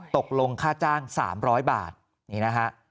ตกลงค่าจ้าง๓๐๐บาทนี่นะฮะ